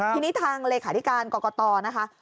ทีนี้ทางเลขาธิการกรกตนะคะ